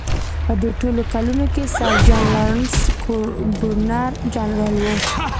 په دې ټولو کلونو کې سر جان لارنس ګورنر جنرال و.